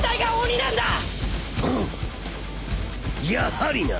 やはりな！